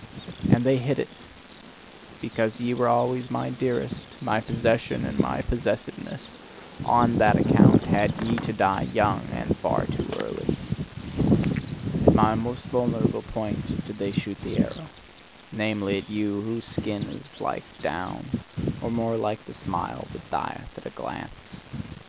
And they hit it! Because ye were always my dearest, my possession and my possessedness: ON THAT ACCOUNT had ye to die young, and far too early! At my most vulnerable point did they shoot the arrow namely, at you, whose skin is like down or more like the smile that dieth at a glance!